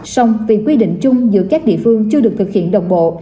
song vì quy định chung giữa các địa phương chưa được thực hiện đồng bộ